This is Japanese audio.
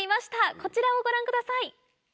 こちらをご覧ください。